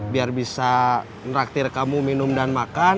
biar bisa neraktir kamu minum dan makan